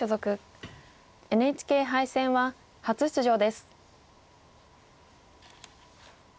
ＮＨＫ杯戦は初出場です。